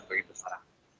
nah seperti itu pak